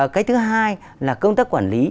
cái thứ hai là công tác quản lý